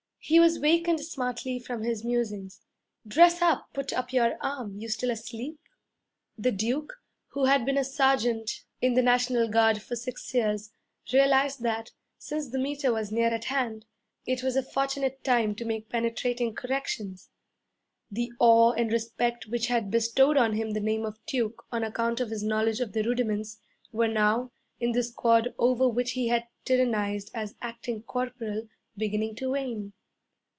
He was wakened smartly from his musings. 'Dress up, put up your arm! you still asleep?' The Duke, who had been a sergeant in the National Guard for six years, realized that, since the Meter was near at hand, it was a fortunate time to make penetrating corrections. The awe and respect which had bestowed on him the name of Duke on account of his knowledge of the rudiments, were now, in the squad over which he had tyrannized as acting corporal, beginning to wane.